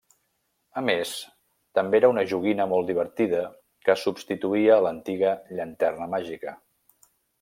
A més, també era una joguina molt divertida que substituïa a l'antiga llanterna màgica.